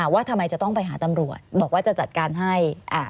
ว่าทำไมจะต้องไปหาตำรวจบอกว่าจะจัดการให้